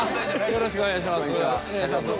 よろしくお願いします。